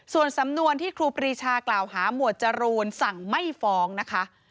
ส่วนสำนวนที่ครูปรีชากล่าวหาหมวดจรูนสั่งไม่ฟ้องนะคะ